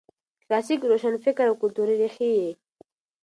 کلاسیک روشنفکر او کلتوري ريښې یې